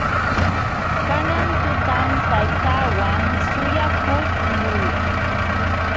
Kanan tutam taytaawan suyakuqluu.